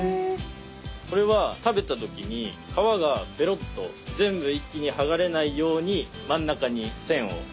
これは食べた時に皮がベロッと全部一気にはがれないように真ん中に線を入れてます。